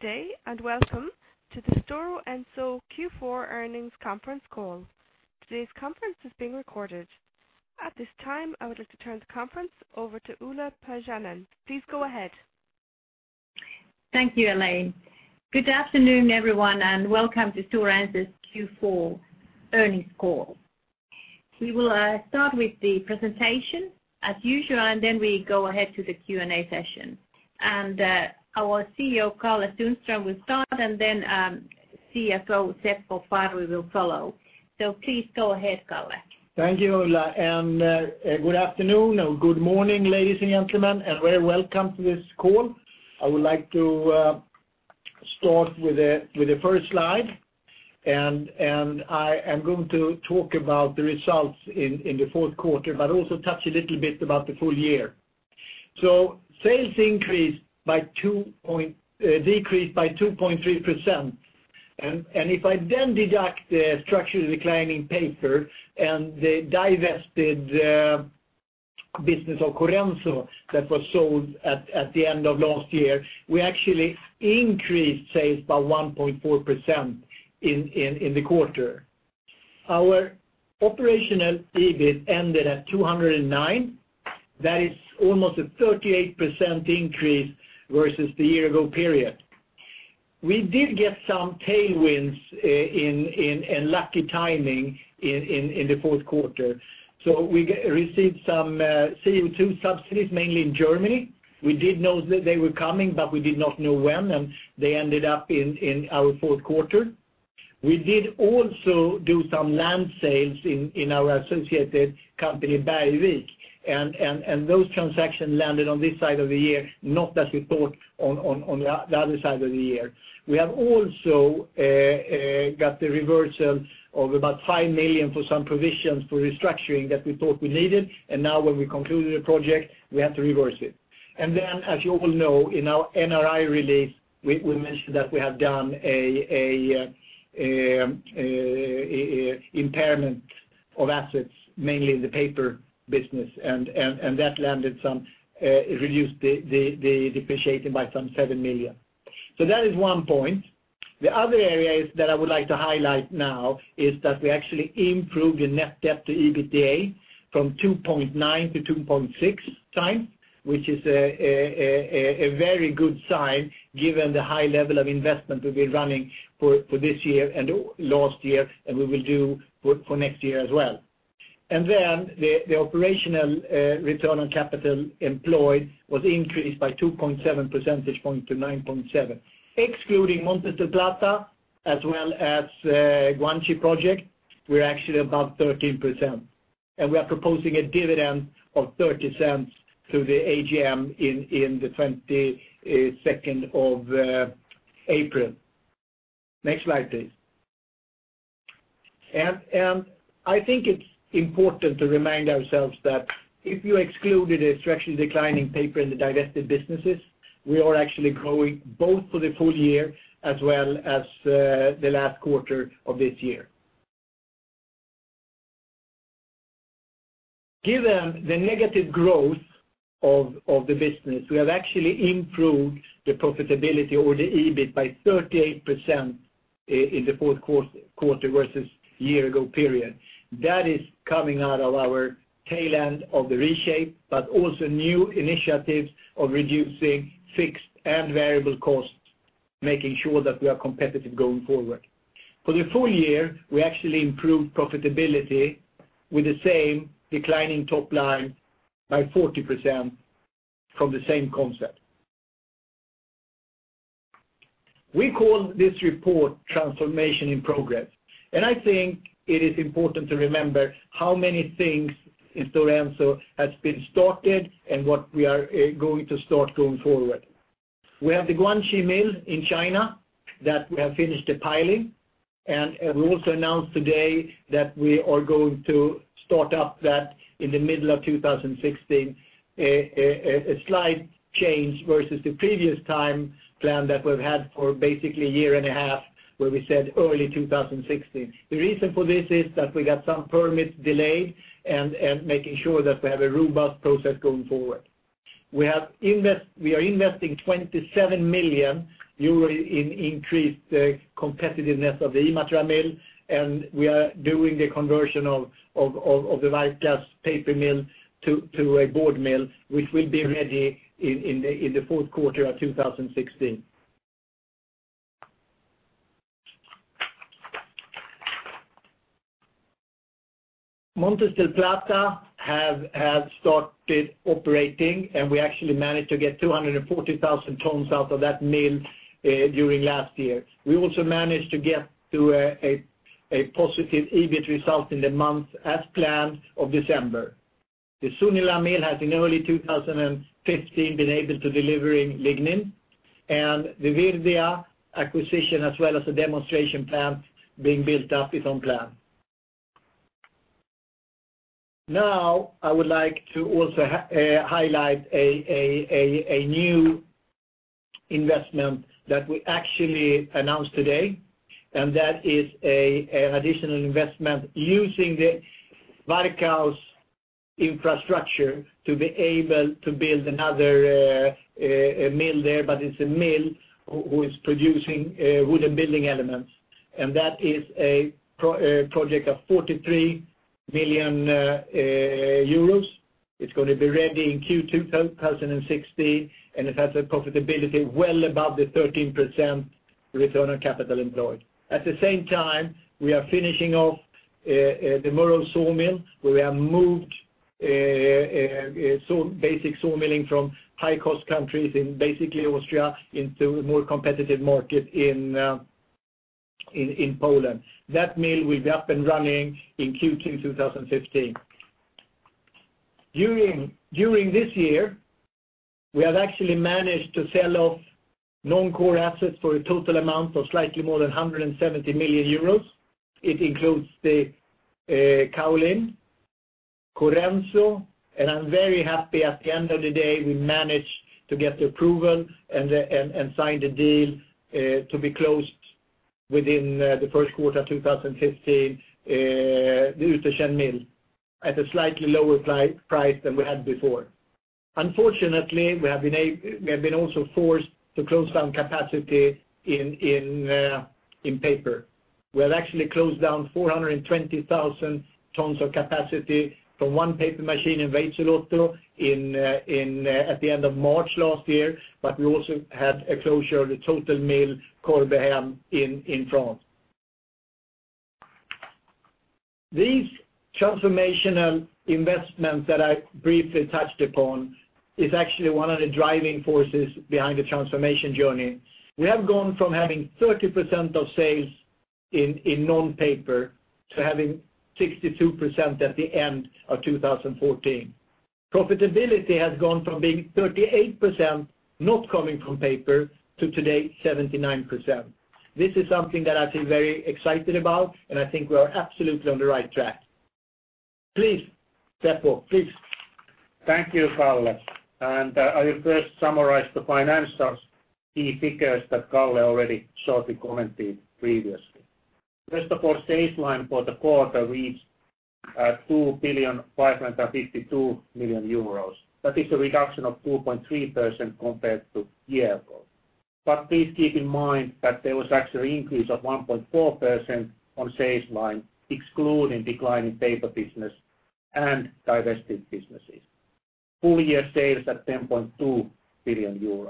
Good day, welcome to the Stora Enso Q4 Earnings Conference Call. Today's conference is being recorded. At this time, I would like to turn the conference over to Ulla Paajanen. Please go ahead. Thank you, Elaine. Good afternoon, everyone, welcome to Stora Enso's Q4 Earnings Call. We will start with the presentation as usual. Then we go ahead to the Q&A session. Our CEO, Karl-Henrik Sundström, will start. Then CFO, Seppo Parvi, will follow. Please go ahead, Kalle. Thank you, Ulla, good afternoon or good morning, ladies and gentlemen, very welcome to this call. I would like to start with the first slide. I am going to talk about the results in the fourth quarter, also touch a little bit about the full year. Sales decreased by 2.3%. If I then deduct the structurally declining paper and the divested business of Corenso that was sold at the end of last year, we actually increased sales by 1.4% in the quarter. Our operational EBIT ended at 209. That is almost a 38% increase versus the year-ago period. We did get some tailwinds and lucky timing in the fourth quarter. We received some CO2 subsidies, mainly in Germany. We did know they were coming, we did not know when, they ended up in our fourth quarter. We did also do some land sales in our associated company, Bergvik. Those transactions landed on this side of the year, not as we thought on the other side of the year. We have also got the reversal of about 5 million for some provisions for restructuring that we thought we needed. Now when we concluded the project, we had to reverse it. Then, as you all know, in our NRI release, we mentioned that we have done an impairment of assets, mainly in the paper business, that reduced the depreciating by some 7 million. That is one point. The other area that I would like to highlight now is that we actually improved the net debt to EBITDA from 2.9 to 2.6 times, which is a very good sign given the high level of investment we've been running for this year and last year, and we will do for next year as well. The operational return on Capital Employed was increased by 2.7 percentage points to 9.7%. Excluding Montes del Plata as well as Guangxi project, we are actually above 13%. We are proposing a dividend of 0.30 to the AGM on the 22nd of April. Next slide, please. I think it's important to remind ourselves that if you excluded a structurally declining paper in the divested businesses, we are actually growing both for the full year as well as the last quarter of this year. Given the negative growth of the business, we have actually improved the profitability or the EBIT by 38% in the fourth quarter versus year-ago period. That is coming out of our tail end of the reshape, but also new initiatives of reducing fixed and variable costs, making sure that we are competitive going forward. For the full year, we actually improved profitability with the same declining top line by 40% from the same concept. We call this report Transformation in Progress. I think it is important to remember how many things in Stora Enso have been started and what we are going to start going forward. We have the Guangxi mill in China that we have finished the piling. We also announced today that we are going to start up that in the middle of 2016. A slight change versus the previous time plan that we've had for basically a year and a half, where we said early 2016. The reason for this is that we got some permits delayed and making sure that we have a robust process going forward. We are investing 27 million euros in increased competitiveness of the Imatra mill. We are doing the conversion of the Varkaus paper mill to a board mill, which will be ready in the fourth quarter of 2016. Montes del Plata have started operating. We actually managed to get 240,000 tons out of that mill during last year. We also managed to get to a positive EBIT result in the month, as planned, of December. The Sunila mill has in early 2015 been able to deliver lignin. The Virdia acquisition as well as the demonstration plant being built up is on plan. I would like to also highlight a new investment that we actually announced today, that is an additional investment using the Varkaus- Infrastructure to be able to build another mill there, but it's a mill who is producing wooden building elements. That is a project of 43 million euros. It's going to be ready in Q2 2016 and it has a profitability well above the 13% return on Capital Employed. At the same time, we are finishing off the Murów sawmill, where we have moved basic sawmilling from high-cost countries in basically Austria into a more competitive market in Poland. That mill will be up and running in Q2 2015. During this year, we have actually managed to sell off non-core assets for a total amount of slightly more than 170 million euros. It includes the Kaolin, Corenso, and I am very happy at the end of the day we managed to get the approval and sign the deal to be closed within the first quarter of 2015, the Uetersen mill at a slightly lower price than we had before. Unfortunately, we have been also forced to close down capacity in paper. We have actually closed down 420,000 tons of capacity from one paper machine in Veitsiluoto at the end of March last year, but we also had a closure of the total mill, Corbehem, in France. These transformational investments that I briefly touched upon is actually one of the driving forces behind the transformation journey. We have gone from having 30% of sales in non-paper to having 62% at the end of 2014. Profitability has gone from being 38% not coming from paper to today 79%. This is something that I feel very excited about and I think we are absolutely on the right track. Please, Seppo. Please. Thank you, Kalle. I will first summarize the financials key figures that Kalle already shortly commented previously. First of all, sales line for the quarter reached at 2.552 billion. That is a reduction of 2.3% compared to year ago. Please keep in mind that there was actually increase of 1.4% on sales line excluding decline in paper business and divested businesses. Full-year sales at EUR 10.2 billion.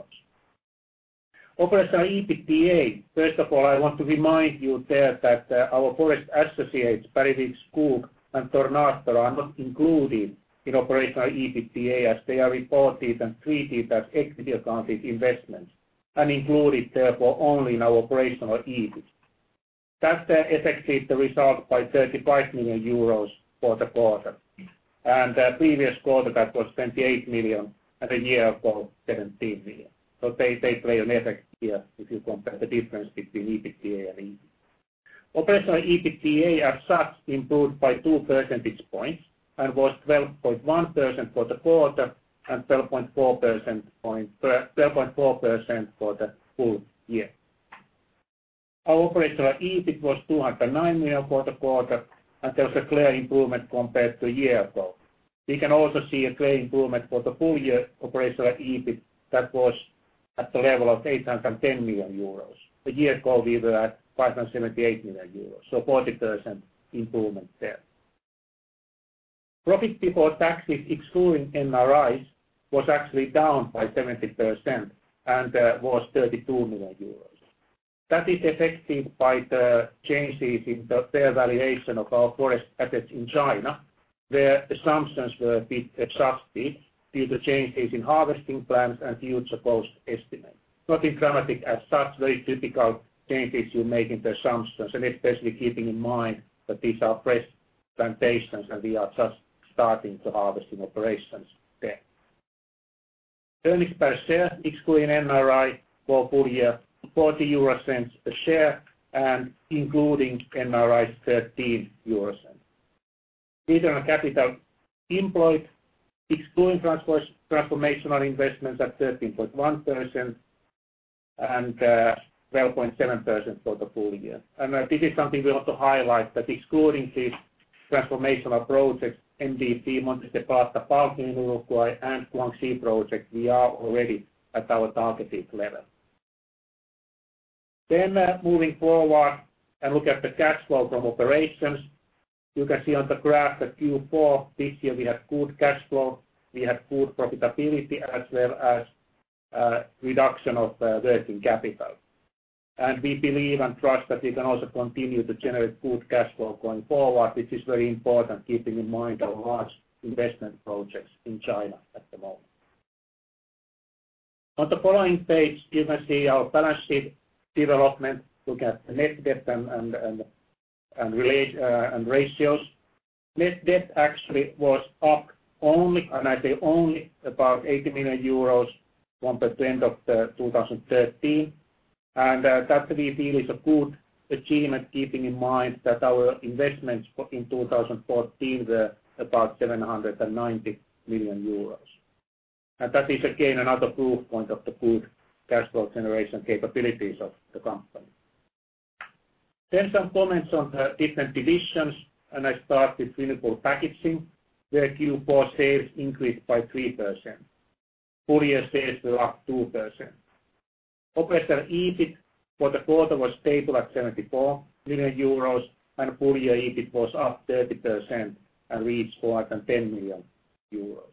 Operational EBITDA, first of all, I want to remind you there that our forest associates, Bergvik Skog and Tornator are not included in operational EBITDA as they are reported and treated as equity accounted investments and included therefore only in our operational EBIT. That affected the result by 35 million euros for the quarter and previous quarter that was 28 million and a year ago, 17 million. They play an effect here if you compare the difference between EBITDA and EBIT. Operational EBITDA as such improved by 2 percentage points and was 12.1% for the quarter and 12.4% for the full year. Our operational EBIT was 209 million for the quarter and there was a clear improvement compared to a year ago. We can also see a clear improvement for the full year operational EBIT that was at the level of 810 million euros. A year ago we were at 578 million euros, so 40% improvement there. Profit before taxes excluding NRIs was actually down by 70% and was 32 million euros. That is affected by the changes in the fair valuation of our forest assets in China where assumptions were a bit adjusted due to changes in harvesting plans and future cost estimate. Nothing dramatic as such, very typical changes you make in the assumptions and especially keeping in mind that these are fresh plantations and we are just starting the harvesting operations there. Earnings per share excluding NRI for full year 0.40 a share and including NRI 0.13. Return on capital employed excluding transformational investments at 13.1% and 12.7% for the full year. This is something we want to highlight that excluding these transformational projects, Montes del Plata Park in Uruguay and Guangxi project we are already at our targeted level. Moving forward and look at the cash flow from operations. You can see on the graph that Q4 this year we had good cash flow, we had good profitability as well as reduction of working capital. We believe and trust that we can also continue to generate good cash flow going forward, which is very important keeping in mind our large investment projects in China at the moment. On the following page you can see our balance sheet development. Look at the net debt and ratios. Net debt actually was up only, and I say only about 80 million euros compared to end of 2013 and that we feel is a good achievement keeping in mind that our investments in 2014 were about 790 million euros. That is again another proof point of the good cash flow generation capabilities of the company. Some comments on the different divisions, I start with Renewable Packaging, where Q4 sales increased by 3%. Full year sales were up 2%. Operating EBIT for the quarter was stable at 74 million euros, full year EBIT was up 30% and reached 410 million euros.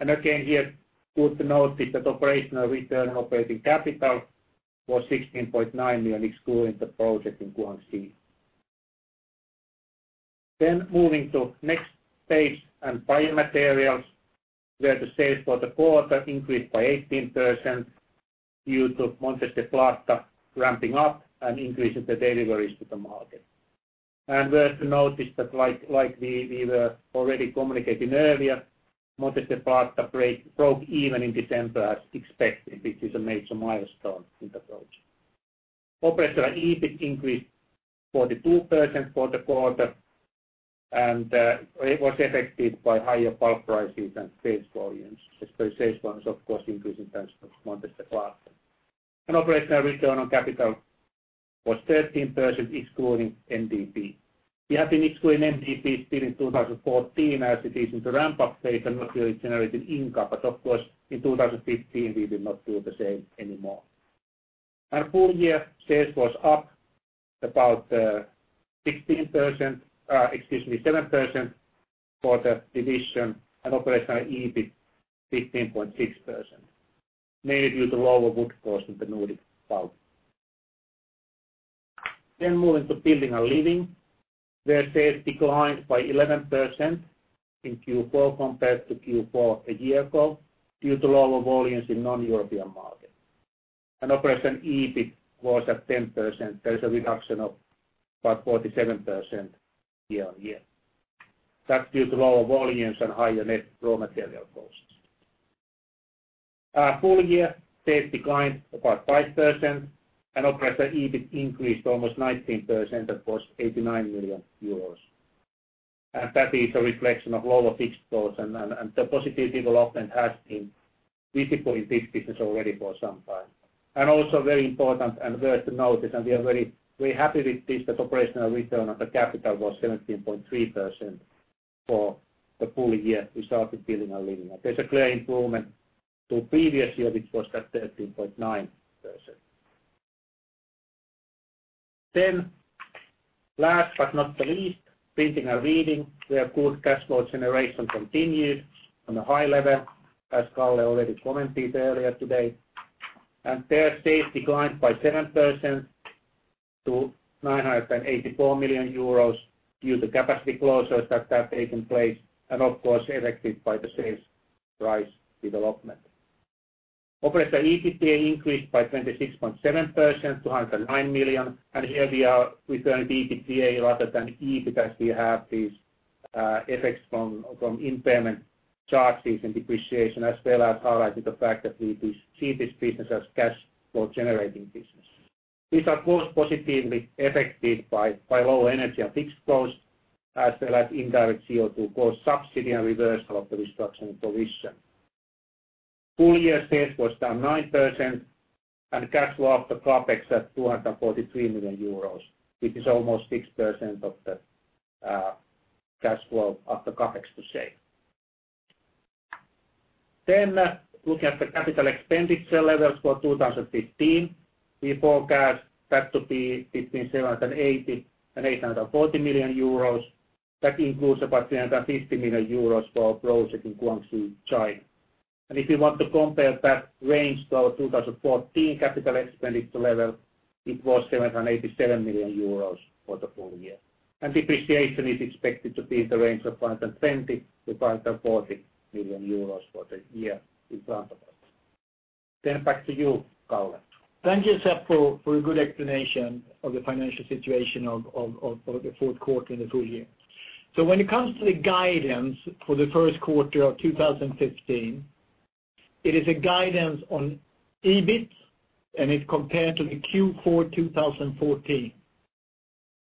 Again here, good to notice that operational return on operating capital was 16.9%, excluding the project in Guangxi. Moving to next page and Biomaterials, where the sales for the quarter increased by 18% due to Montes del Plata ramping up and increasing the deliveries to the market. Worth to notice that like we were already communicating earlier, Montes del Plata broke even in December as expected, which is a major milestone in the project. Operating EBIT increased 42% for the quarter and it was affected by higher pulp prices and sales volumes. Especially sales volume is of course increasing thanks to Montes del Plata. Operational return on capital was 13%, excluding MDP. We have been excluding MDP since 2014 as it is in the ramp-up phase and not really generating income. Of course, in 2015, we will not do the same anymore. Full year sales was up about 16%, excuse me, 7% for the division and operational EBIT 15.6%, mainly due to lower wood cost in the Nordic South. Moving to Building and Living, where sales declined by 11% in Q4 compared to Q4 a year ago, due to lower volumes in non-European markets. Operating EBIT was at 10%. There is a reduction of about 47% year-over-year. That's due to lower volumes and higher net raw material costs. Full-year sales declined about 5%, operating EBIT increased almost 19% across 89 million euros. That is a reflection of lower fixed costs and the positive development has been visible in this business already for some time. Also very important and worth to notice, and we are very happy with this, that operational return on the capital was 17.3% for the full year we started Building and Living. There's a clear improvement to previous year, which was at 13.9%. Last but not the least, Printing and Reading, where good cash flow generation continued on a high level, as Kalle already commented earlier today. Their sales declined by 7% to 684 million euros due to capacity closures that have taken place, and of course, affected by the sales price development. Operating EBITDA increased by 26.7%, 209 million. Here we are referring to EBITDA rather than EBIT, as we have these effects from impairment charges and depreciation, as well as highlighting the fact that we see this business as cash flow generating business. These are most positively affected by lower energy and fixed costs, as well as indirect CO2 cost subsidy and reversal of the restructuring provision. Full year sales was down 9%, and cash flow after CapEx at 243 million euros, which is almost 6% of the cash flow after CapEx to sale. Looking at the capital expenditure levels for 2015. We forecast that to be between 780 million and 840 million euros. That includes about 350 million euros for our project in Guangxi, China. If you want to compare that range to our 2014 capital expenditure level, it was 787 million euros for the full year. Depreciation is expected to be in the range of 520 million to 540 million euros for the year in front of us. Back to you, Kalle. Thank you, Seppo, for a good explanation of the financial situation of the fourth quarter and the full year. When it comes to the guidance for the first quarter of 2015, it is a guidance on EBIT and it compared to the Q4 2014.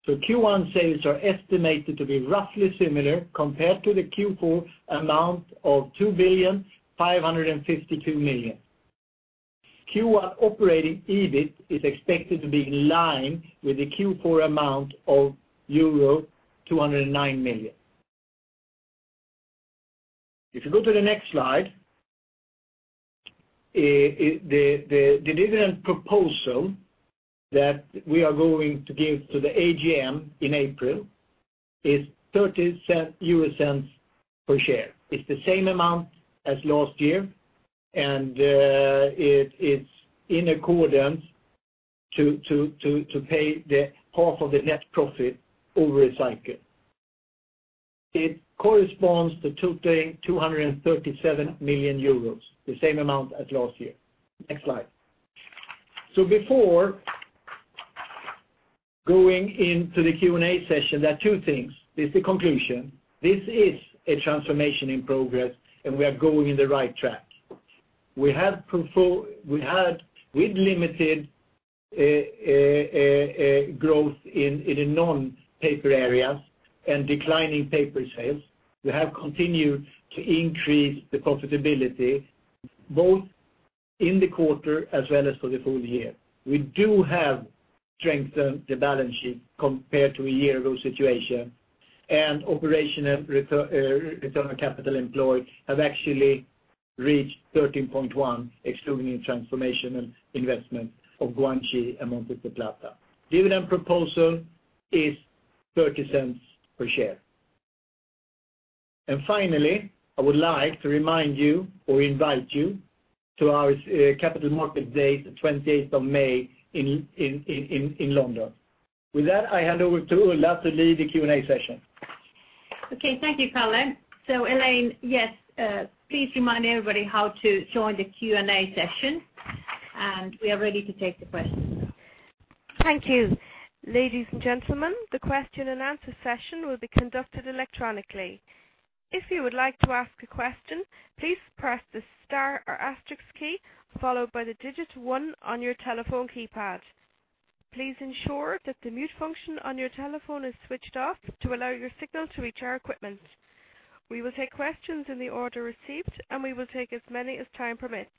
Q1 sales are estimated to be roughly similar compared to the Q4 amount of 2,552 million. Q1 operating EBIT is expected to be in line with the Q4 amount of euro 209 million. If you go to the next slide, the dividend proposal that we are going to give to the AGM in April is 0.30 per share. It's the same amount as last year, and it is in accordance to pay the half of the net profit over a cycle. It corresponds to totally 237 million euros, the same amount as last year. Next slide. Before going into the Q&A session, there are two things. This is the conclusion. This is a transformation in progress, and we are going in the right track. With limited growth in the non-paper areas and declining paper sales, we have continued to increase the profitability both in the quarter as well as for the full year. We do have strengthened the balance sheet compared to a year ago situation, and operational return on capital employed have actually reached 13.1, excluding transformation and investment of Guangxi and Montes del Plata. Dividend proposal is 0.30 per share. Finally, I would like to remind you or invite you to our Capital Markets Day the 20th of May in London. With that, I hand over to Ulla to lead the Q&A session. Thank you, Kalle. Elaine, yes, please remind everybody how to join the Q&A session, and we are ready to take the questions now. Thank you. Ladies and gentlemen, the question and answer session will be conducted electronically. If you would like to ask a question, please press the star or asterisk key, followed by the digit 1 on your telephone keypad. Please ensure that the mute function on your telephone is switched off to allow your signal to reach our equipment. We will take questions in the order received, and we will take as many as time permits.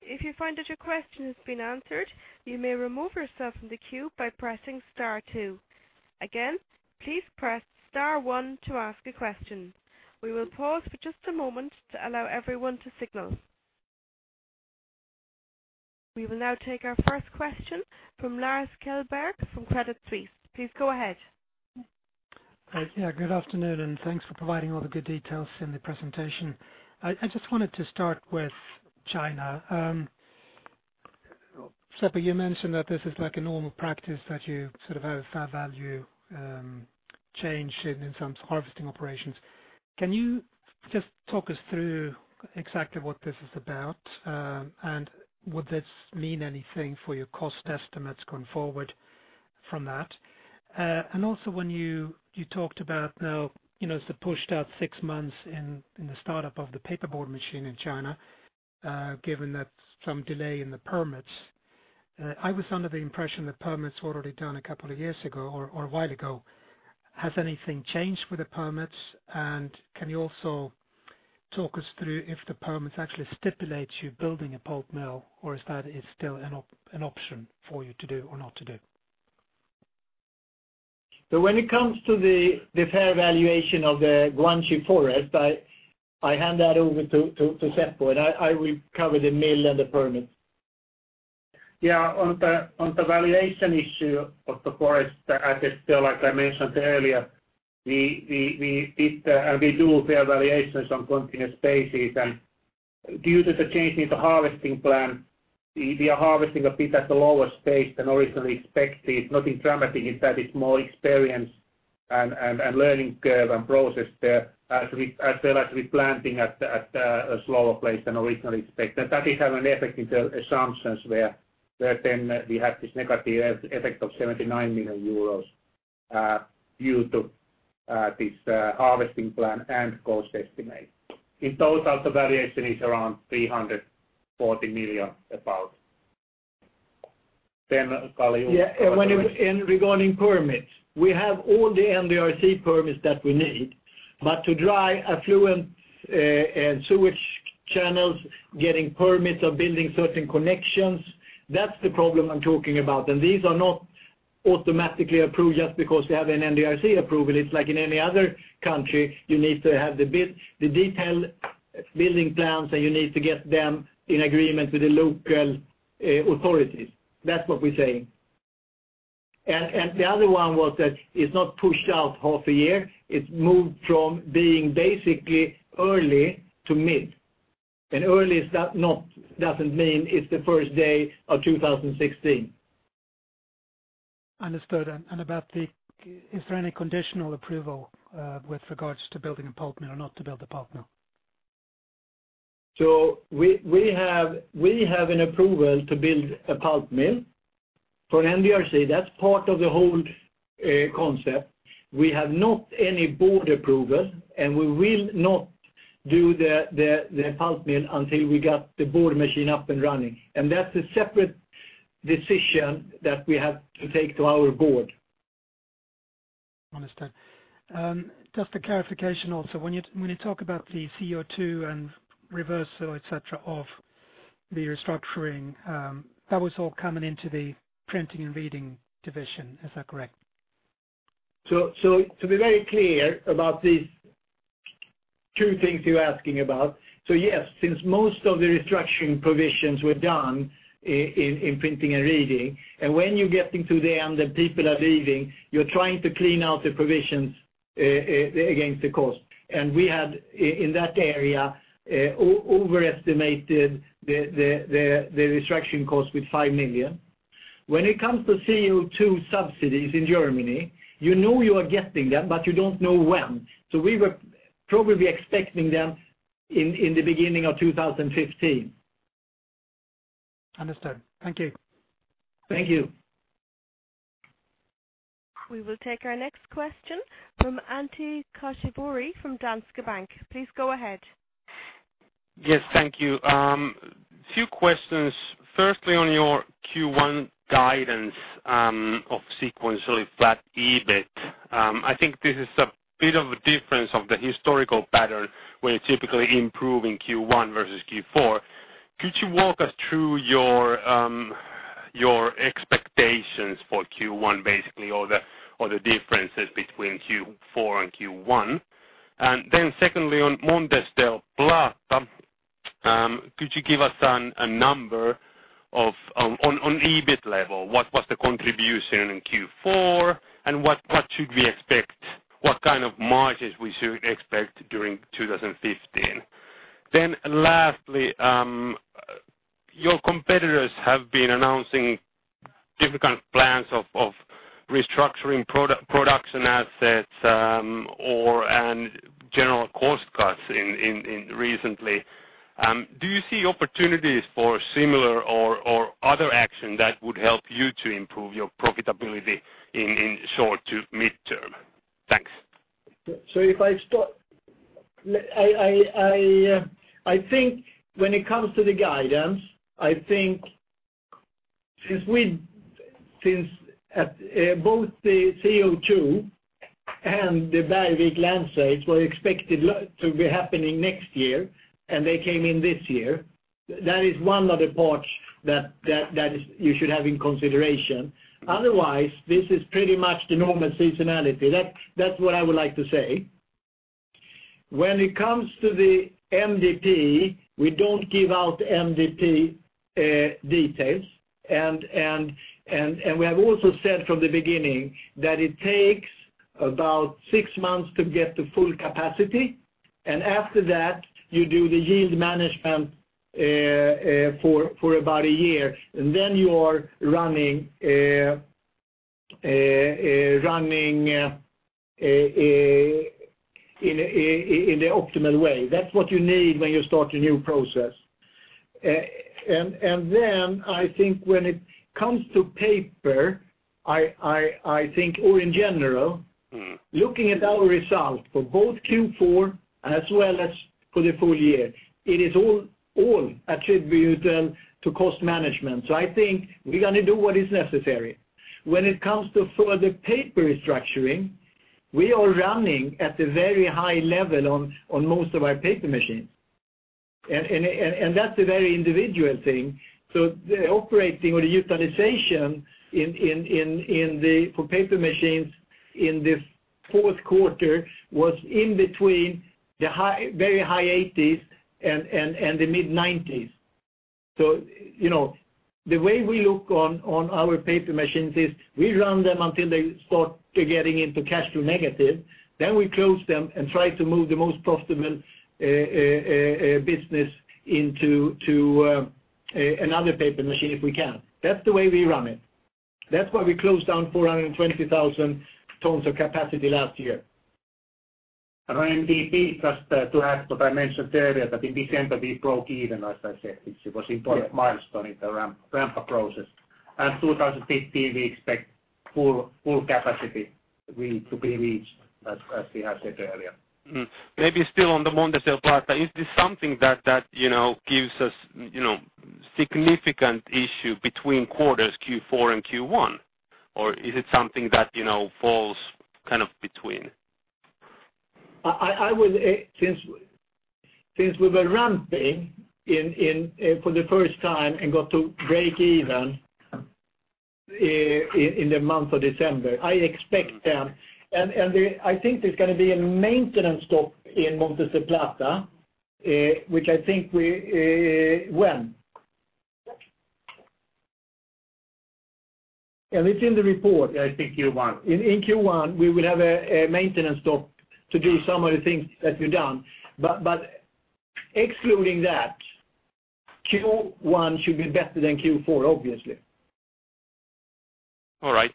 If you find that your question has been answered, you may remove yourself from the queue by pressing star 2. Again, please press star 1 to ask a question. We will pause for just a moment to allow everyone to signal. We will now take our first question from Lars Kjellberg from Credit Suisse. Please go ahead. Good afternoon, thanks for providing all the good details in the presentation. I just wanted to start with China. Seppo, you mentioned that this is like a normal practice, that you have a fair value change in some harvesting operations. Can you just talk us through exactly what this is about? Would this mean anything for your cost estimates going forward from that? Also when you talked about now, it's pushed out 6 months in the startup of the paperboard machine in China, given that some delay in the permits. I was under the impression the permit's already done a couple of years ago or a while ago. Has anything changed with the permits? Can you also talk us through if the permits actually stipulate you building a pulp mill, or is that is still an option for you to do or not to do? When it comes to the fair valuation of the Guangxi forest, I hand that over to Seppo, and I will cover the mill and the permits. On the valuation issue of the forest, I just feel like I mentioned earlier, we did and we do fair valuations on continuous basis. Due to the change in the harvesting plan, we are harvesting a bit at a lower pace than originally expected. Nothing dramatic in that. It's more experience and learning curve and process there as well as replanting at a slower place than originally expected. That is having an effect in the assumptions where we then have this negative effect of 79 million euros due to this harvesting plan and cost estimate. In total, the variation is around 340 million about. Kalle, Regarding permits, we have all the NDRC permits that we need. To dry affluent and sewage channels, getting permits or building certain connections, that's the problem I'm talking about. These are not automatically approved just because we have an NDRC approval. It's like in any other country, you need to have the detailed building plans, and you need to get them in agreement with the local authorities. That's what we're saying. The other one was that it's not pushed out half a year. It's moved from being basically early to mid, and early doesn't mean it's the first day of 2016. Understood. Is there any conditional approval with regards to building a pulp mill or not to build a pulp mill? We have an approval to build a pulp mill from NDRC. That's part of the whole concept. We have not any board approval, we will not do the pulp mill until we got the board machine up and running. That's a separate decision that we have to take to our board. Understood. Just a clarification also. When you talk about the CO2 and reversal, et cetera, of the restructuring, that was all coming into the Printing and Reading division. Is that correct? To be very clear about these two things you're asking about, yes, since most of the restructuring provisions were done in Printing and Reading, when you're getting to them, the people are leaving. You're trying to clean out the provisions against the cost. We had, in that area, overestimated the restructuring cost with 5 million. When it comes to CO2 subsidies in Germany, you know you are getting them, but you don't know when. We were probably expecting them in the beginning of 2015. Understood. Thank you. Thank you. We will take our next question from Antti Koskivuori from Danske Bank. Please go ahead. Yes. Thank you. Few questions. Firstly, on your Q1 guidance of sequentially flat EBIT. I think this is a bit of a difference of the historical pattern where you are typically improving Q1 versus Q4. Could you walk us through your expectations for Q1, basically, or the differences between Q4 and Q1. Secondly, on Montes del Plata, could you give us a number on EBIT level? What was the contribution in Q4, and what should we expect? What kind of margins we should expect during 2015? Lastly, your competitors have been announcing different plans of restructuring production assets, and general cost cuts recently. Do you see opportunities for similar or other action that would help you to improve your profitability in short to mid-term? Thanks. If I start, I think when it comes to the guidance, I think since both the CO2 and the Bergvik Skog were expected to be happening next year, and they came in this year, that is one of the parts that you should have in consideration. Otherwise, this is pretty much the normal seasonality. That is what I would like to say. When it comes to the MDP, we do not give out MDP details. We have also said from the beginning that it takes about six months to get to full capacity, and after that, you do the yield management for about a year, and then you are running in the optimal way. That is what you need when you start a new process. I think when it comes to paper, or in general. Looking at our results for both Q4 and as well as for the full year, it is all attributable to cost management. I think we're going to do what is necessary. When it comes to further paper restructuring, we are running at a very high level on most of our paper machines. That's a very individual thing. The operating or the utilization for paper machines in this fourth quarter was in between the very high 80s and the mid-90s. The way we look on our paper machines is we run them until they start getting into cash flow negative. We close them and try to move the most profitable business into another paper machine if we can. That's the way we run it. That's why we closed down 420,000 tons of capacity last year. On MDP, just to add what I mentioned earlier, that in December we broke even, as I said, which was important milestone in the ramp-up process. In 2015, we expect full capacity to be reached, as we have said earlier. Maybe still on the Montes del Plata, is this something that gives us significant issue between quarters Q4 and Q1? Is it something that falls between? Since we were ramping for the first time and got to break even in the month of December, I expect them. I think there's going to be a maintenance stop in Montes del Plata. When? It's in the report. I think Q1. In Q1, we will have a maintenance stop to do some of the things that we've done. Excluding that, Q1 should be better than Q4, obviously. All right.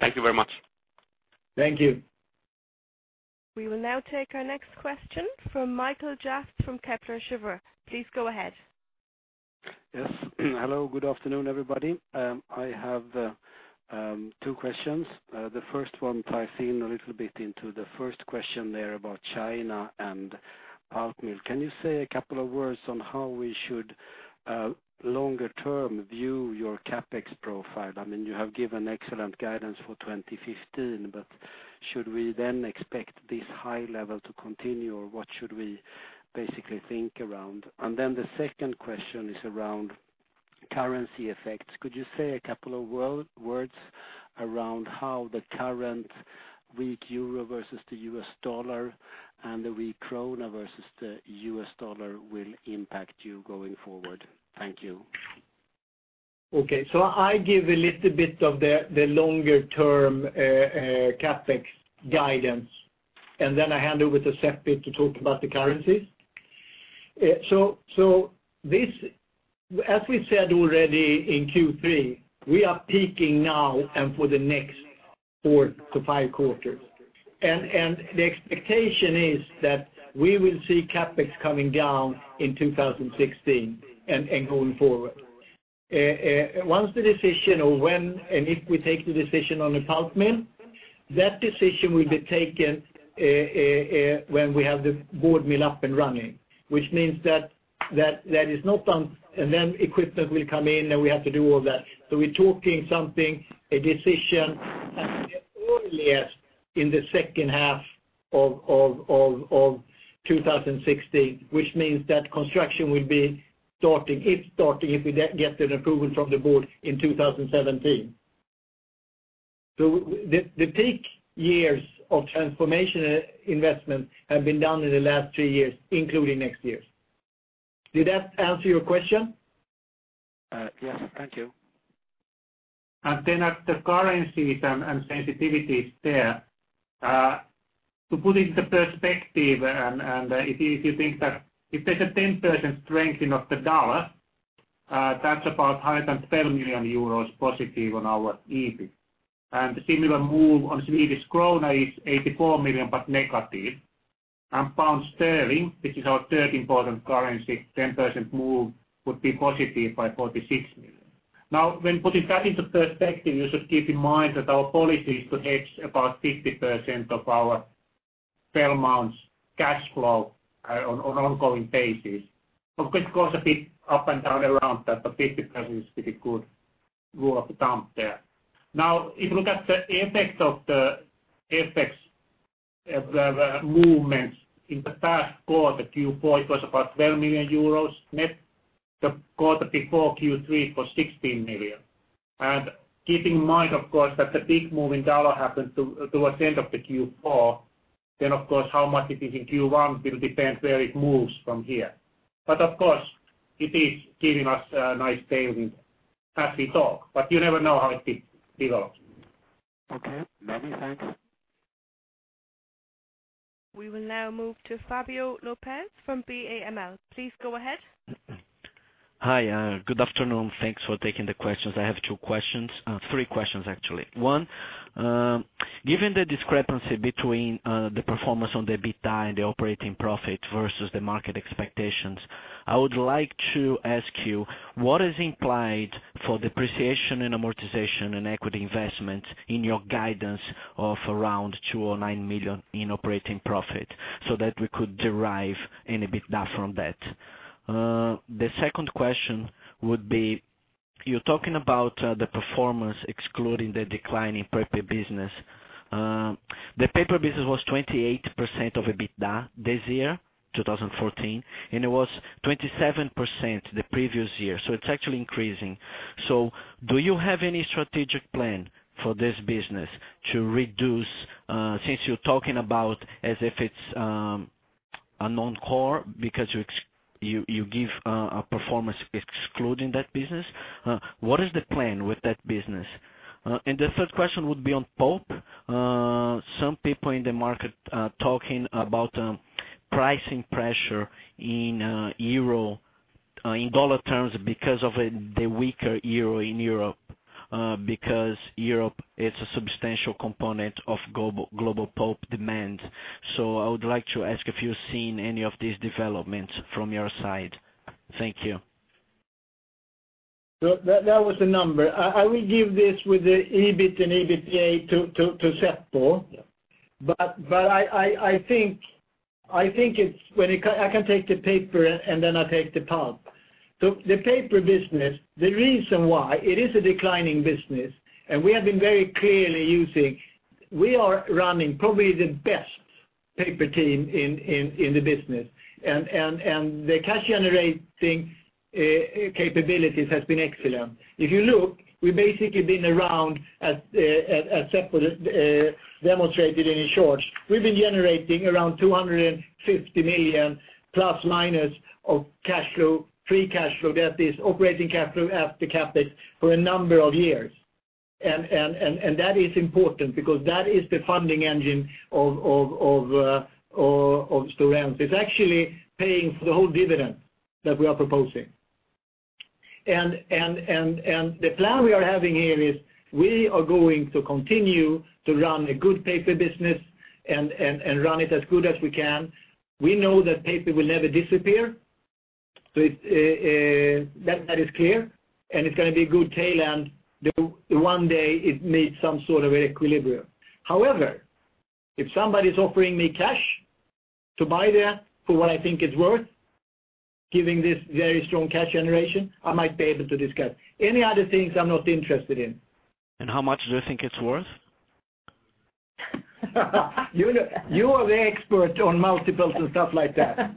Thank you very much. Thank you. We will now take our next question from Mikael Jafs from Kepler Cheuvreux. Please go ahead. Yes. Hello, good afternoon, everybody. I have two questions. The first one ties in a little bit into the first question there about China and pulp mill. Can you say a couple of words on how we should longer term view your CapEx profile? You have given excellent guidance for 2015, should we then expect this high level to continue, or what should we basically think around? The second question is around currency effects. Could you say a couple of words around how the current weak euro versus the US dollar and the weak krona versus the US dollar will impact you going forward? Thank you. I give a little bit of the longer-term CapEx guidance, I hand over to Seppo to talk about the currencies. As we said already in Q3, we are peaking now and for the next four to five quarters. The expectation is that we will see CapEx coming down in 2016 and going forward. Once the decision or when and if we take the decision on the pulp mill, that decision will be taken when we have the board mill up and running, which means that that is not done, and then equipment will come in, and we have to do all that. We're talking something, a decision Earliest in the second half of 2016, which means that construction will be starting, if starting, if we get an approval from the board in 2017. The peak years of transformation investment have been done in the last three years, including next year. Did that answer your question? Yes. Thank you. At the currencies and sensitivities there, to put into perspective, if you think that if there is a 10% strengthening of the dollar, that is about higher than €12 million positive on our EBIT. The similar move on Swedish krona is 84 million, negative. Pound sterling, which is our third important currency, 10% move would be positive by 46 million. When putting that into perspective, you should keep in mind that our policy is to hedge about 50% of our sell amounts cash flow on ongoing basis. It goes a bit up and down around that, 50% is pretty good rule of thumb there. If you look at the effect of the FX movements in the past quarter, Q4, it was about €12 million net. The quarter before Q3 it was 16 million. Keep in mind that the big move in dollar happened towards the end of the Q4, how much it is in Q1 will depend where it moves from here. It is giving us a nice tailwind as we talk, you never know how it develops. Okay. Many thanks. We will now move to Fabio Lopes from BAML. Please go ahead. Hi. Good afternoon. Thanks for taking the questions. I have two questions. Three questions, actually. One, given the discrepancy between the performance on the EBITDA and the operating profit versus the market expectations, I would like to ask you, what is implied for depreciation and amortization and equity investment in your guidance of around 209 million in operating profit so that we could derive an EBITDA from that? The second question would be, you're talking about the performance excluding the decline in paper business. The paper business was 28% of EBITDA this year, 2014, and it was 27% the previous year. It's actually increasing. Do you have any strategic plan for this business to reduce, since you're talking about as if it's a non-core because you give a performance excluding that business. What is the plan with that business? The third question would be on pulp. Some people in the market are talking about pricing pressure in dollar terms because of the weaker euro in Europe, because Europe is a substantial component of global pulp demand. I would like to ask if you're seeing any of these developments from your side. Thank you. That was a number. I will give this with the EBIT and EBITDA to Seppo. Yeah. I think I can take the paper. Then I take the pulp. The paper business, the reason why it is a declining business, and we have been very clearly using. We are running probably the best paper team in the business. The cash generating capabilities has been excellent. If you look, we've basically been around, as Seppo demonstrated in his charts. We've been generating around 250 million plus or minus of cash flow, free cash flow, that is operating cash flow after CapEx for a number of years. That is important because that is the funding engine of Stora Enso. It's actually paying for the whole dividend that we are proposing. The plan we are having here is we are going to continue to run a good paper business and run it as good as we can. We know that paper will never disappear. That is clear, and it's going to be a good tail end, though one day it meets some sort of equilibrium. However, if somebody's offering me cash to buy that for what I think it's worth, given this very strong cash generation, I might be able to discuss. Any other things, I'm not interested in. How much do you think it's worth? You are the expert on multiples and stuff like that.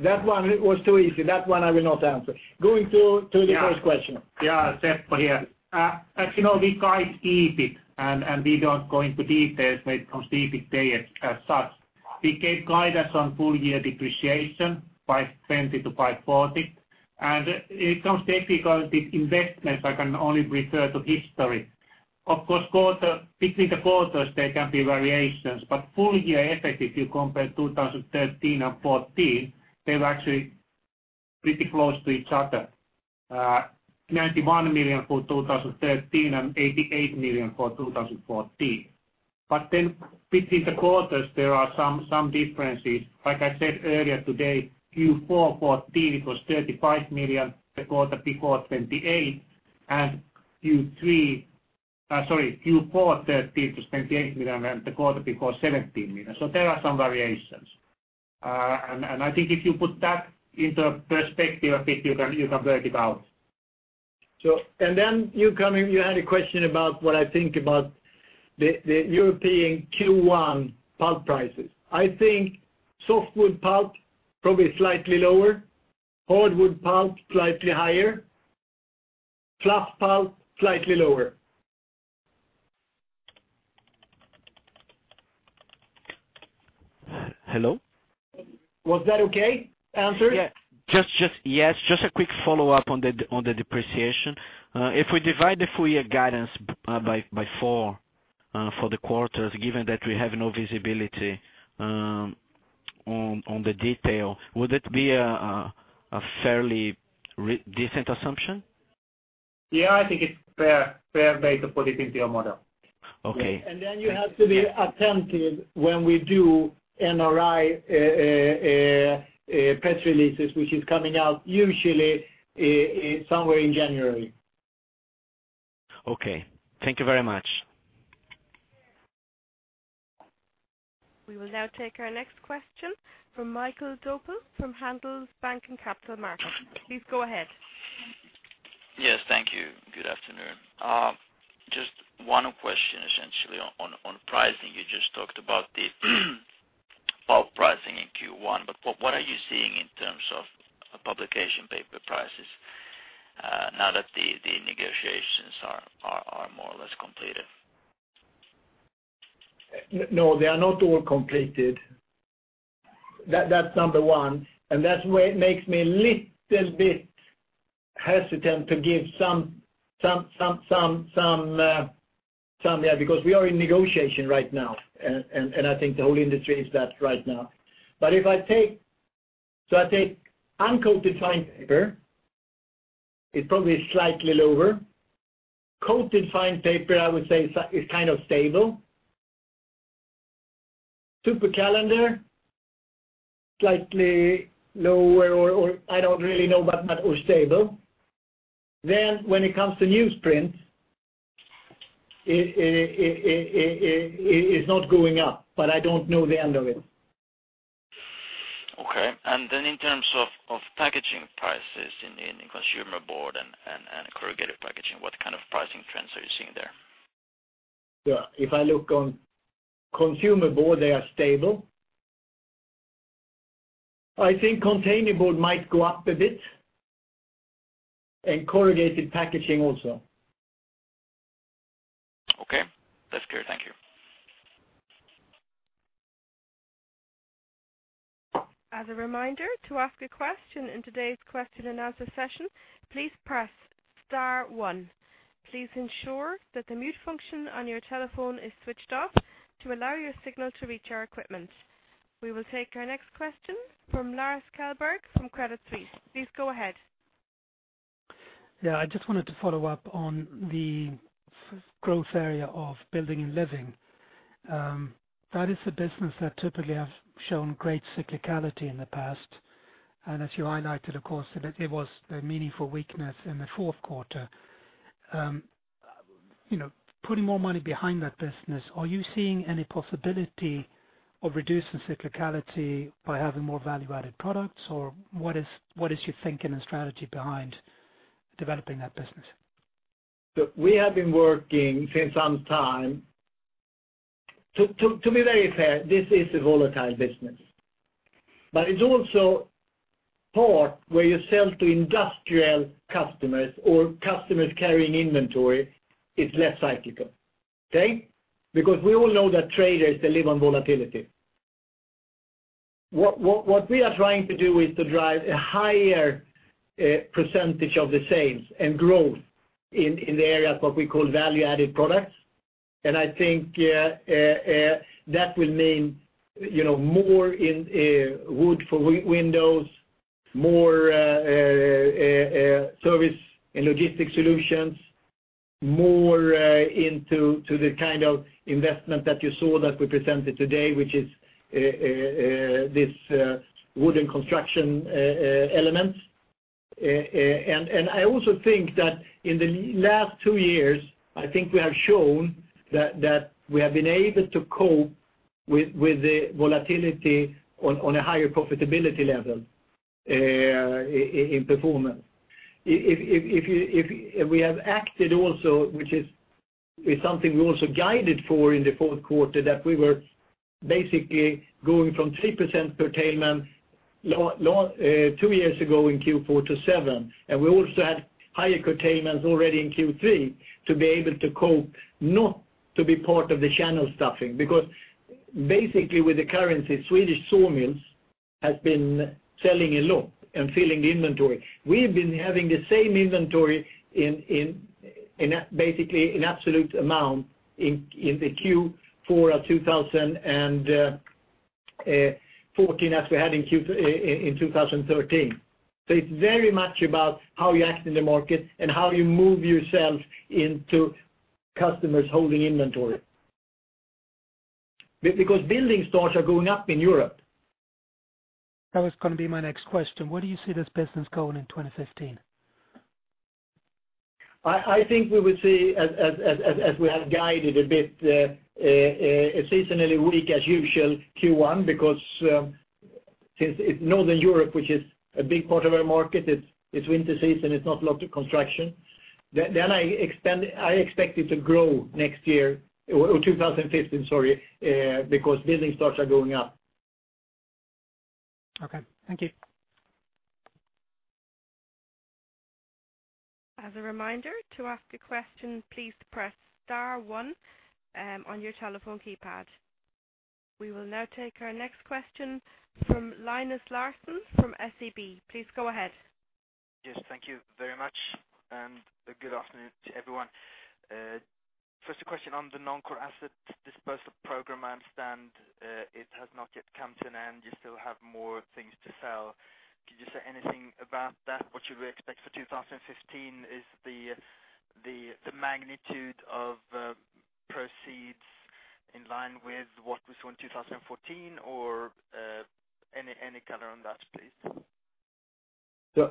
That one was too easy. That one I will not answer. Going to the first question. Yeah, Seppo here. As you know, we guide EBIT, and we don't go into details when it comes to EBITDA as such. We gave guidance on full-year depreciation by 20 to by 40. It comes difficult with investments, I can only refer to history. Of course, between the quarters, there can be variations, but full-year effect, if you compare 2013 and 2014, they're actually pretty close to each other. 91 million for 2013 and 88 million for 2014. Between the quarters, there are some differences. Like I said earlier today, Q4 2014, it was 35 million, the quarter before 28 million. Q4 2013, it was 28 million, and the quarter before, 17 million. There are some variations. I think if you put that into perspective, you can work it out. You had a question about what I think about the European Q1 pulp prices. I think softwood pulp probably slightly lower, hardwood pulp slightly higher, fluff pulp slightly lower. Hello? Was that okay answered? Yes. Just a quick follow-up on the depreciation. If we divide the full year guidance by four for the quarters, given that we have no visibility on the detail, would it be a fairly decent assumption? Yeah, I think it's fair way to put it into your model. Okay. Then you have to be attentive when we do NRI press releases, which is coming out usually somewhere in January. Okay. Thank you very much. We will now take our next question from Mikael Doepel from Handelsbanken Capital Markets. Please go ahead. Yes, thank you. Good afternoon. Just one question essentially on pricing. You just talked about the pulp pricing in Q1, but what are you seeing in terms of publication paper prices now that the negotiations are more or less completed? No, they are not all completed. That's number 1, and that's where it makes me a little bit hesitant to give some there, because we are in negotiation right now, and I think the whole industry is that right now. I take uncoated fine paper, it's probably slightly lower. Coated fine paper, I would say, is kind of stable. Supercalendered, slightly lower or I don't really know, but stable. When it comes to newsprint, it is not going up, but I don't know the end of it. Okay. In terms of packaging prices in the consumer board and corrugated packaging, what kind of pricing trends are you seeing there? If I look on consumer board, they are stable. I think containerboard might go up a bit, and corrugated packaging also. Okay. That's clear. Thank you. As a reminder, to ask a question in today's question and answer session, please press star one. Please ensure that the mute function on your telephone is switched off to allow your signal to reach our equipment. We will take our next question from Lars Kjellberg from Credit Suisse. Please go ahead. I just wanted to follow up on the growth area of Building and Living. That is the business that typically has shown great cyclicality in the past, and as you highlighted, of course, there was a meaningful weakness in the fourth quarter. Putting more money behind that business, are you seeing any possibility of reducing cyclicality by having more value-added products, or what is your thinking and strategy behind developing that business? Look, we have been working since sometime. To be very fair, this is a volatile business. It's also part where you sell to industrial customers or customers carrying inventory is less cyclical. Okay? We all know that traders, they live on volatility. What we are trying to do is to drive a higher percentage of the sales and growth in the areas, what we call value-added products. I think that will mean more in wood for windows, more service and logistic solutions, more into the kind of investment that you saw that we presented today, which is this wooden construction element. I also think that in the last two years, I think we have shown that we have been able to cope with the volatility on a higher profitability level in performance. We have acted also, which is something we also guided for in the fourth quarter, that we were basically going from 3% curtailment two years ago in Q4 to 7%. We also had higher curtailments already in Q3 to be able to cope, not to be part of the channel stuffing. Basically with the currency, Swedish sawmills has been selling a lot and filling the inventory. We have been having the same inventory basically in absolute amount in the Q4 of 2014 as we had in 2013. It's very much about how you act in the market and how you move yourself into customers holding inventory. Building starts are going up in Europe. That was going to be my next question. Where do you see this business going in 2015? I think we would see, as we have guided a bit, a seasonally weak as usual Q1 because it's Northern Europe, which is a big part of our market, it's winter season, it's not a lot of construction. I expect it to grow next year, or 2015, sorry, building stocks are going up. Okay. Thank you. As a reminder, to ask a question, please press star one on your telephone keypad. We will now take our next question from Linus Larsson from SEB. Please go ahead. Yes, thank you very much, and good afternoon to everyone. First, a question on the non-core asset dispersal program. I understand it has not yet come to an end. You still have more things to sell. Could you say anything about that? What should we expect for 2015? Is the magnitude of proceeds in line with what we saw in 2014 or any color on that, please?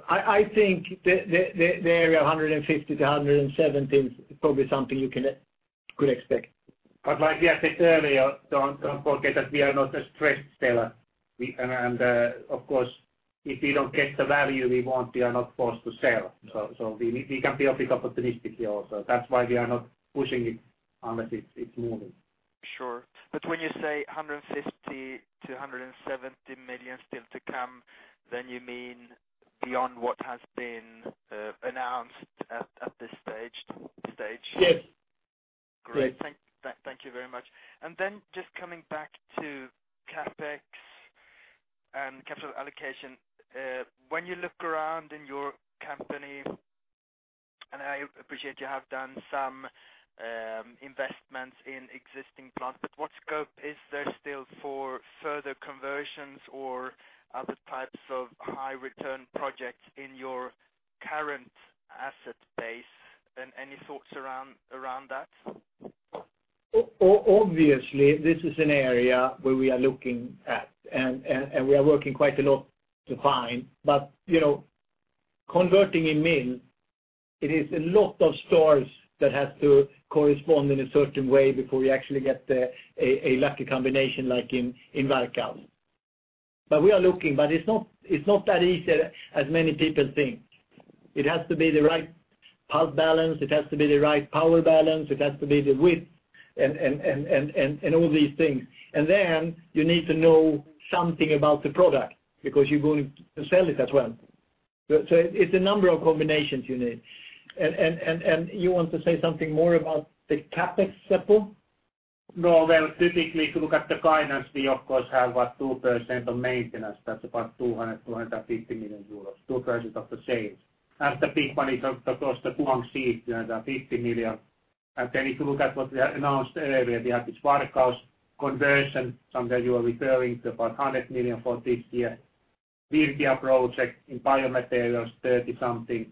I think the area of 150-170 is probably something you could expect. Like we said earlier, don't forget that we are not a stressed seller. Of course, if we don't get the value we want, we are not forced to sell. We can be opportunistic here also. That's why we are not pushing it unless it's moving. Sure. When you say 150 million-170 million still to come, you mean beyond what has been announced at this stage? Yes. Great. Thank you very much. Just coming back to CapEx and capital allocation. When you look around in your company, I appreciate you have done some investments in existing plants, what scope is there still for further conversions or other types of high-return projects in your current asset base? Any thoughts around that? Obviously, this is an area where we are looking at, we are working quite a lot to find. Converting in mill, it is a lot of stores that have to correspond in a certain way before we actually get a lucky combination like in Varkaus. We are looking, it is not that easy as many people think. It has to be the right pulp balance. It has to be the right power balance. It has to be the width and all these things. You need to know something about the product because you are going to sell it as well. It is a number of combinations you need. You want to say something more about the CapEx, Seppo? No, well, typically, if you look at the guidance, we of course have about 2% of maintenance. That is about 200 million-250 million euros, 2% of the sales. That is the big one is, of course, the Guangxi, 250 million. If you look at what we have announced earlier, we have this Varkaus conversion, something you are referring to, about 100 million for this year. Virdia project in biomaterials, 30 something.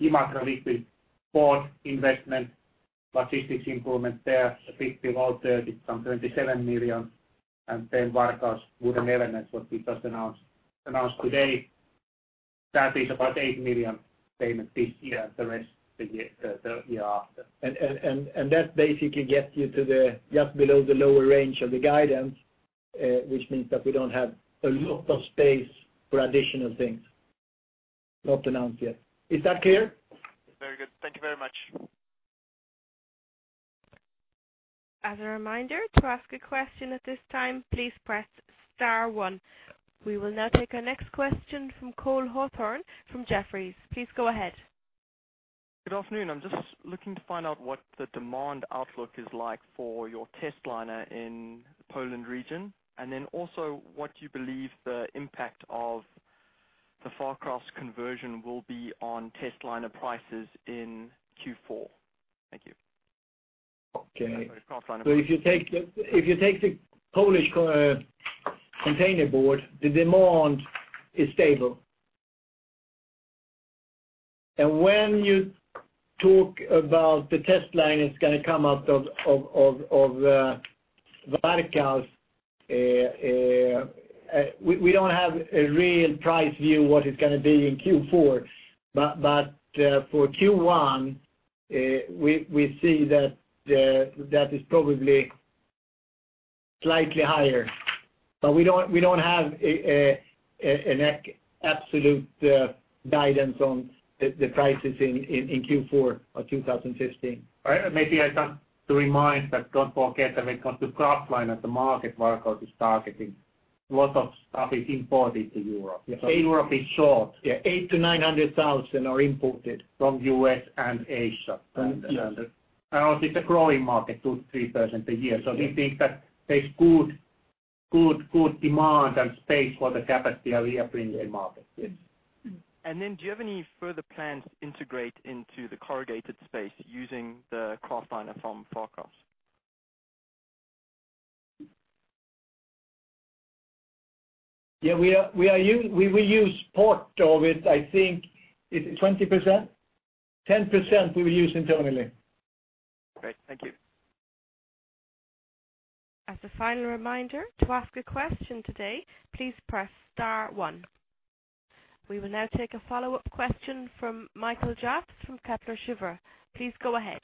Imatra liquid port investment, logistics improvement there, a big build, 30 some, EUR 27 million. Varkaus wooden elements, what we just announced today. That is about eight million payment this year, the rest the year after. That basically gets you to just below the lower range of the guidance, which means that we do not have a lot of space for additional things not announced yet. Is that clear? Very good. Thank you very much. As a reminder, to ask a question at this time, please press star one. We will now take our next question from Cole Hathorn from Jefferies. Please go ahead. Good afternoon. I am just looking to find out what the demand outlook is like for your Testliner in Poland region. Then also what you believe the impact of the Varkaus conversion will be on Testliner prices in Q4. Thank you. Okay. Sorry, Kraftliner prices. If you take the Polish containerboard, the demand is stable. When you talk about the Testliner is going to come out of Varkaus, we don't have a real price view what it's going to be in Q4. For Q1, we see that is probably slightly higher. We don't have an absolute guidance on the prices in Q4 of 2015. Maybe I have to remind that don't forget that when it comes to Kraftliner, the market Varkaus is targeting, lot of stuff is imported to Europe. Europe is short. eight to 900,000 are imported from U.S. and Asia. Also it's a growing market, 2%-3% a year. We think that there's good demand and space for the capacity we are bringing in market. Do you have any further plans to integrate into the corrugated space using the Kraftliner from Varkaus? Yeah, we use part of it. I think it's 20%? 10% we will use internally. Great. Thank you. As a final reminder, to ask a question today, please press star one. We will now take a follow-up question from Mikael Jåfs from Kepler Cheuvreux. Please go ahead.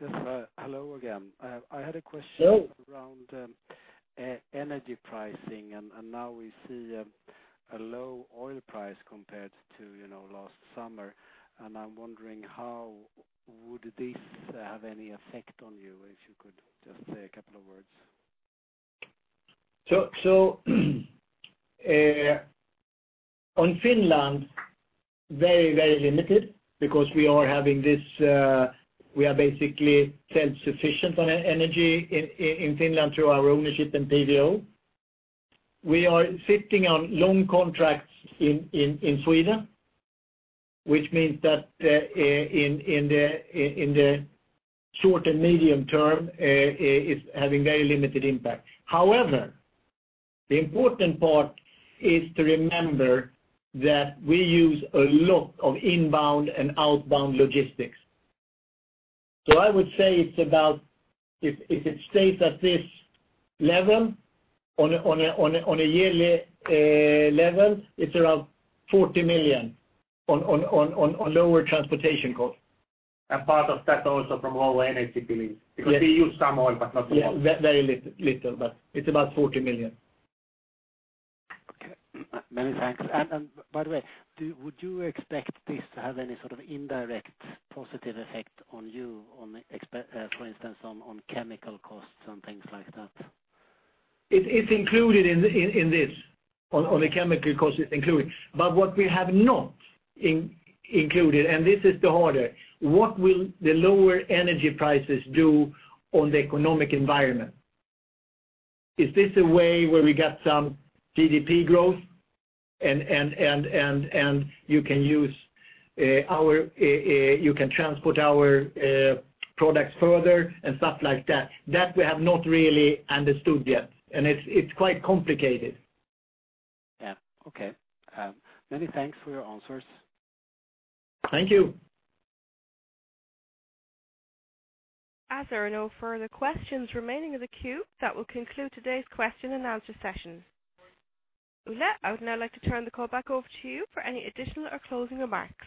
Yes. Hello again. I had a question. Hello around energy pricing, and now we see a low oil price compared to last summer, and I'm wondering how would this have any effect on you, if you could just say a couple of words. On Finland, very limited because we are basically self-sufficient on energy in Finland through our ownership in PVO. We are sitting on long contracts in Sweden, which means that in the short and medium term, it's having very limited impact. However, the important part is to remember that we use a lot of inbound and outbound logistics. I would say if it stays at this level, on a yearly level, it's around 40 million on lower transportation cost. part of that also from lower energy billing, because we use some oil, but not a lot. Yes, very little. it's about 40 million. Okay. Many thanks. By the way, would you expect this to have any sort of indirect positive effect on you, for instance, on chemical costs and things like that? It's included in this. On the chemical cost, it's included. What we have not included, and this is the harder, what will the lower energy prices do on the economic environment? Is this a way where we get some GDP growth and you can transport our products further and stuff like that? That we have not really understood yet, and it's quite complicated. Yeah. Okay. Many thanks for your answers. Thank you. As there are no further questions remaining in the queue, that will conclude today's question and answer session. Ulla, I would now like to turn the call back over to you for any additional or closing remarks.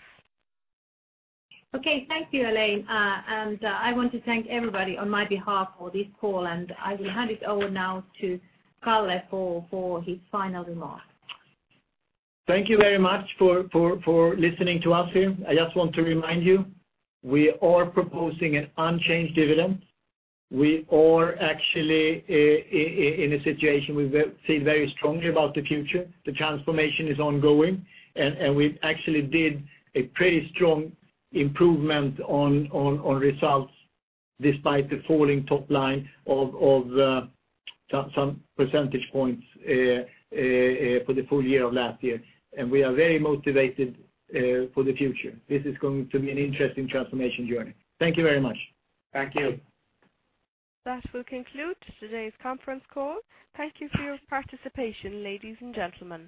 Okay. Thank you, Elaine. I want to thank everybody on my behalf for this call, and I will hand it over now to Kalle for his final remarks. Thank you very much for listening to us here. I just want to remind you, we are proposing an unchanged dividend. We are actually in a situation we feel very strongly about the future. The transformation is ongoing, we actually did a pretty strong improvement on results despite the falling top line of some percentage points for the full year of last year. We are very motivated for the future. This is going to be an interesting transformation journey. Thank you very much. Thank you. That will conclude today's conference call. Thank you for your participation, ladies and gentlemen.